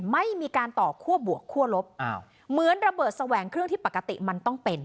ไม่มีการต่อคั่วบวกคั่วลบเหมือนระเบิดแสวงเครื่องที่ปกติมันต้องเป็น